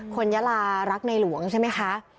ยาลารักในหลวงใช่ไหมคะ